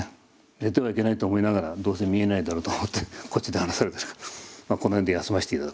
寝てはいけないと思いながらどうせ見えないだろうと思ってこっちで話されてるこの辺で休ませて頂くと。